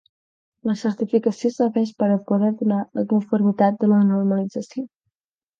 La certificació serveix per a poder donar la conformitat de la normalització.